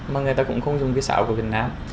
mà người ta cũng không dùng cái sáo của việt nam